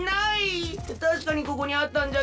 たしかにここにあったんじゃけど。